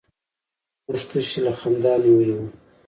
موږ تشي له خندا نيولي وو.